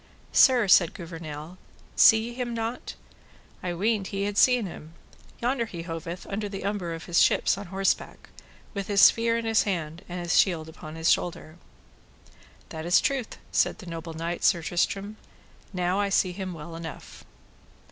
Sir, said Gouvernail, see ye him not? I weened ye had seen him; yonder he hoveth under the umbre of his ships on horseback, with his spear in his hand and his shield upon his shoulder. That is truth, said the noble knight, Sir Tristram, now I see him well enough.